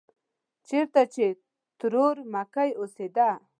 چېرته چې ترور مکۍ اوسېده.